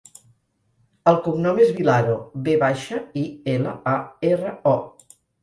El cognom és Vilaro: ve baixa, i, ela, a, erra, o.